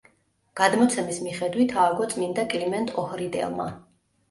გადმოცემის მიხედვით ააგო წმინდა კლიმენტ ოჰრიდელმა.